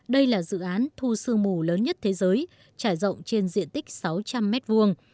đây là dự án thu sương mù lớn nhất thế giới trải rộng trên diện tích sáu trăm linh mét vuông